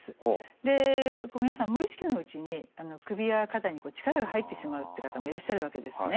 で皆さん無意識のうちに首や肩に力が入ってしまうって方もいらっしゃるわけですね。